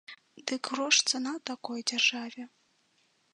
Дык грош цана такой дзяржаве.